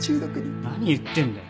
何言ってんだよ！